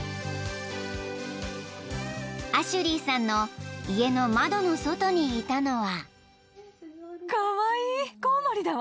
［アシュリーさんの家の窓の外にいたのは］